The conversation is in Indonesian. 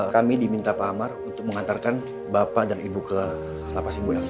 kami diminta pak amar untuk mengantarkan bapak dan ibu ke lapas ibu yang